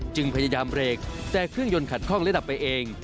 จึงพยายามเบรกแต่เครื่องยนต์ขัดข้องและดับไปเอง